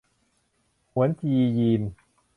หวนจียีน